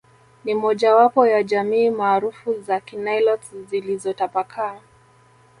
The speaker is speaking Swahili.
Ni mojawapo ya jamii maarufu za Kinilotes zilizotapakaa